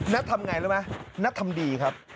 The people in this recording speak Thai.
นัดทำอย่างไรแล้วไหมนัดทำดีครับ